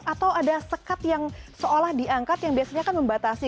atau ada sekat yang seolah diangkat yang biasanya kan membatasi